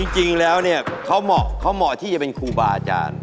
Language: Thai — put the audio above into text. จริงแล้วเนี่ยเขาเหมาะเขาเหมาะที่จะเป็นครูบาอาจารย์